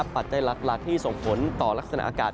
ปัจจัยหลักที่ส่งผลต่อลักษณะอากาศ